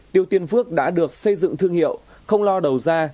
tiêu tiên phước đã được xây dựng thương hiệu không lo đầu ra